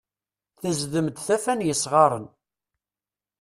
Tezdem-d taffa n yesɣaren.